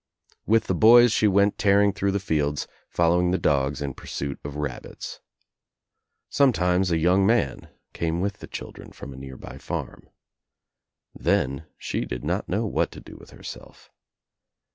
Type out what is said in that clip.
With the boys she went tearing through the kids, following the dogs In pursuit of rabbits. Some ,es a young man came with the children from a :ar by farm. Then she did not know what to do th herself.